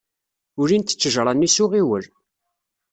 Ulint ttejṛa-nni s uɣiwel.